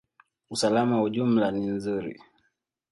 Usalama kwa ujumla ni nzuri.